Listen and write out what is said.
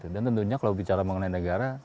dan tentunya kalau bicara mengenai negara